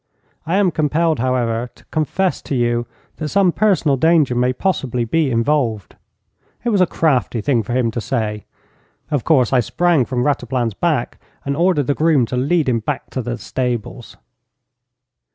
I am compelled, however, to confess to you that some personal danger may possibly be involved.' It was a crafty thing for him to say. Of course, I sprang from Rataplan's back and ordered the groom to lead him back into the stables.